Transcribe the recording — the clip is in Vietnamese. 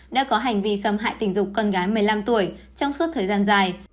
đã có hành vi xâm hại tình dục con gái một mươi năm tuổi trong suốt thời gian dài